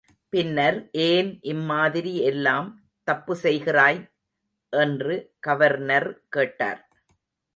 பின்னர் ஏன் இம்மாதிரி எல்லாம் தப்பு செய்கிறாய்? என்று கவர்னர் கேட்டார்.